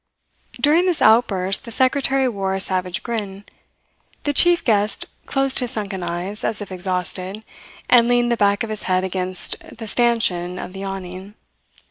During this outburst the secretary wore a savage grin. The chief guest closed his sunken eyes, as if exhausted, and leaned the back of his head against the stanchion of the awning.